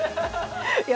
いや